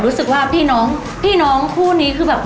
รู้สึกว่าพี่น้องพี่น้องคู่นี้คือแบบ